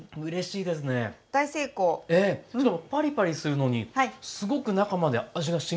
しかもパリパリするのにすごく中まで味がしみてる。